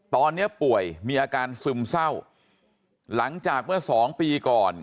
ตอนนี้ป่วยมีอาการซึมเศร้าหลังจากเมื่อสองปีก่อน